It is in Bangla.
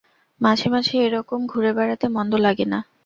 মাঝে-মাঝে এ-রকম ঘুরে বেড়াতে মন্দ লাগে না।